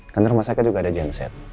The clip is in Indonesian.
karena rumah sakit juga ada genset